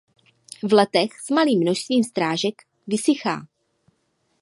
V letech s malým množstvím srážek vysychá.